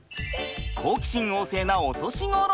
好奇心旺盛なお年頃。